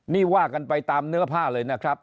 นี่ว่ากันไปตามเนื้อผ้าเลยนะครับ